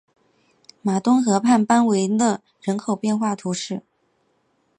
马东河畔班维勒人口变化图示